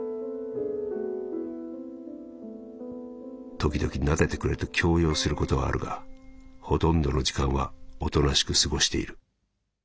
「ときどき撫でてくれと強要することはあるがほとんどの時間はおとなしく過ごしている。